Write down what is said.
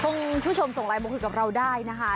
คุณผู้ชมส่งไลน์มาคุยกับเราได้นะคะ